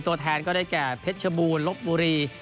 ตัวแทนก็ได้แก่เพชรบูรลบบุรี